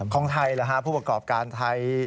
ของไทยผู้ประกอบการไทย